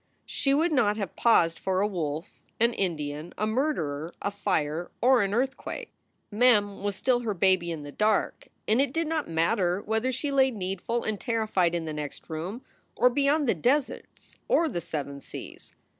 She would not have paused for a wolf, an Indian, a murderer, a fire, or an earthquake. Mem was still her baby in the dark, and it did not matter whether she lay needful and terrified in the next room or beyond the deserts or the seven seas.